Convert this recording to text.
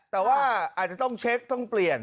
แต่ว่าอาจจะต้องเช็คต้องเปลี่ยน